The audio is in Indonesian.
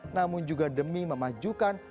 namun juga demi memajukan